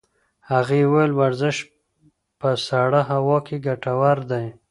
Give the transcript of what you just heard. هغې وویل ورزش په سړه هوا کې ګټور دی.